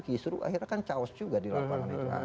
kisru akhirnya kan caos juga di lapangan itu